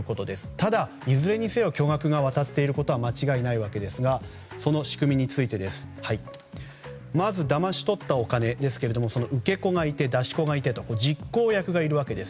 ただ、いずれにせよ巨額が渡っていることは間違いないわけですがその仕組みについてまず、だまし取ったお金ですが受け子がいて出し子がいてと実行役がいるわけです。